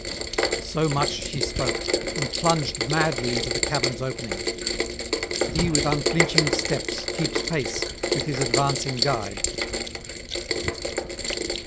So much she spoke, and plunged madly into the cavern's opening; he with unflinching steps keeps pace with his advancing guide.